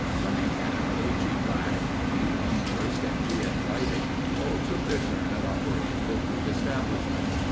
Cunningham, A. G. Black, P. Longhurst, and G. F. Leidig all took their turn at operating the crude establishment.